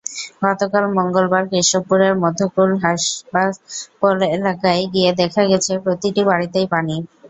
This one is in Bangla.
গতকাল মঙ্গলবার কেশবপুরের মধ্যকুল, হাবাসপোল এলাকায় গিয়ে দেখা গেছে, প্রতিটি বাড়িতেই পানি।